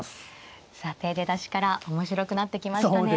さて出だしから面白くなってきましたね。